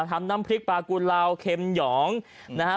น้ำพริกปลากุลาวเค็มหยองนะฮะ